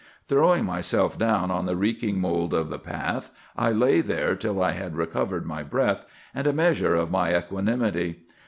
"Throwing myself down on the reeking mould of the path, I lay there till I had recovered my breath, and a measure of my equanimity.